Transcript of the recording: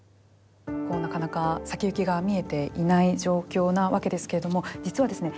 なかなか先行きが見えていない状況なわけですけれども実はですね